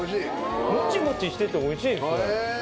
モチモチしてておいしいですね。